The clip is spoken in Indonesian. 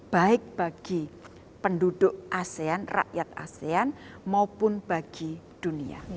baik bagi penduduk asean rakyat asean maupun bagi dunia